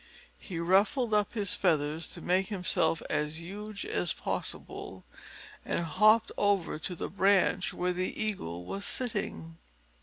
He ruffled up his feathers to make himself as huge as possible, and hopped over to the branch where the Eagle was sitting.